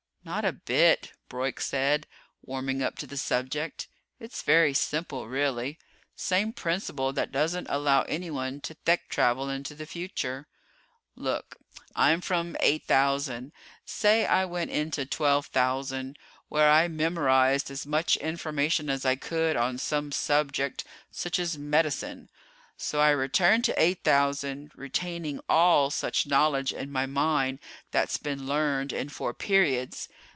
"Not a bit," Broyk said, warming up to the subject. "It's very simple, really. Same principle that doesn't allow anyone to Thek travel into the future. "Look. I'm from 8000. Say that I went into 12,000, where I memorized as much information as I could on some subject such as medicine. So I return to 8000, retaining all such knowledge in my mind that's been learned in four periods.